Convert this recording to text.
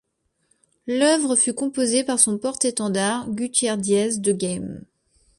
L'œuvre fut composée par son porte-étendard, Gutierre Díez de Games.